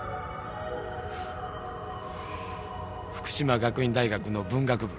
福島学院大学の文学部。